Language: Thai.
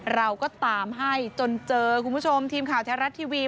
เราก็ตามให้จนเจอคุณผู้ชมทีมข่าวแท้รัฐทีวี